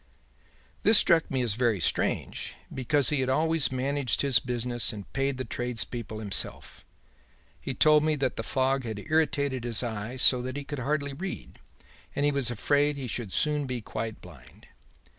"'This struck me as very strange, because he had always managed his business and paid the tradespeople himself. He told me that the fog had irritated his eye so that he could hardly read, and he was afraid he should soon be quite blind.